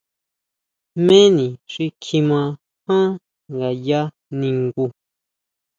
¿Jméni xi kjima jan ngaya ningu?